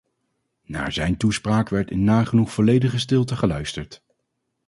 Naar zijn toespraak werd in nagenoeg volledige stilte geluisterd.